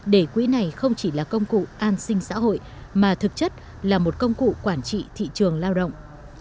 để quỹ này không chỉ là công cụ an sinh xã hội mà thực chất là một công cụ quản trị thị trường lao động